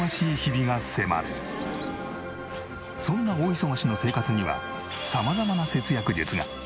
そんな大忙しの生活には様々な節約術が！